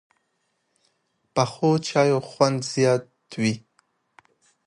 پخو چایو خوند زیات وي